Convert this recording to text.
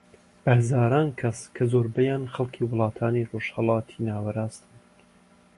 بە هەزاران کەس کە زۆربەیان خەڵکی وڵاتانی ڕۆژهەلاتی ناوەڕاستن